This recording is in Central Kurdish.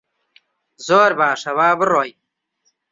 زۆر باشە، با بڕۆین.